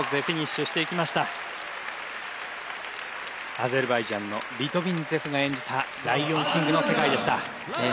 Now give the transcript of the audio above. アゼルバイジャンのリトビンツェフが演じた『ライオン・キング』の世界でした。